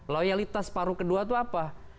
loyalitas paru ke dua itu apa